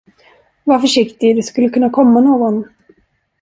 Var försiktig, det skulle kunna komma någon.